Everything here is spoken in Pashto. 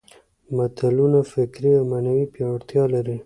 متلونه فکري او معنوي پياوړتیا لري